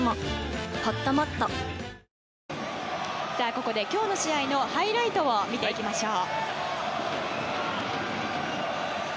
ここで、今日の試合のハイライトを見ていきましょう。